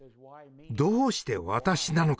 「どうして私なのか？